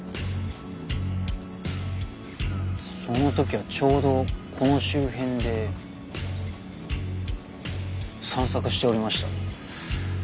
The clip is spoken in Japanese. その時はちょうどこの周辺で散策しておりました。